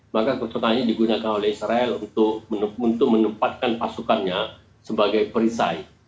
maka kota ini digunakan oleh israel untuk menempatkan pasukannya sebagai perisai